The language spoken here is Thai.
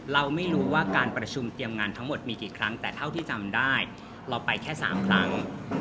เราไม่รู้ว่าการประชุมเตรียมงานทั้งหมดมีกี่ครั้งแต่เท่าที่จำได้เราไปแค่๓ครั้ง